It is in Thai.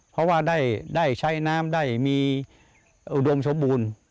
เพราะว่าได้ใช้น้ำได้มีอุดมสมบูรณ์